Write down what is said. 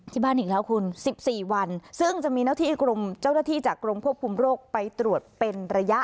บ้านอีกแล้วคุณ๑๔วันซึ่งจะมีหน้าที่กรมเจ้าหน้าที่จากกรมควบคุมโรคไปตรวจเป็นระยะ